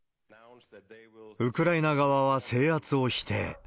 ウクライナ側は制圧を否定。